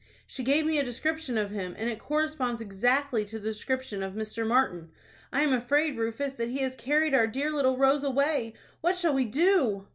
She gave me a description of him, and it corresponds exactly to the description of Mr. Martin. I am afraid, Rufus, that he has carried our dear little Rose away. What shall we do?"